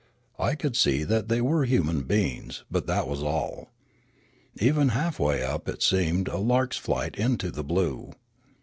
I could see that they were human beings; but that was all. Even half way up it seemed a lark's flight into the blue.